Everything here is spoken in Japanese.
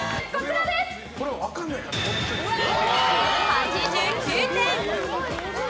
８９点！